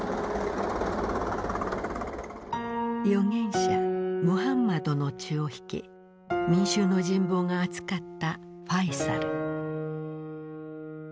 預言者ムハンマドの血を引き民衆の人望があつかったファイサル。